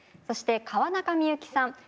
そして川中美幸さん。